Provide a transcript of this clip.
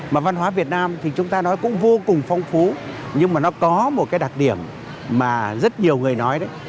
mà văn hóa việt nam thì chúng ta nói cũng vô cùng phong phú nhưng mà nó có một cái đặc điểm mà rất nhiều người nói đấy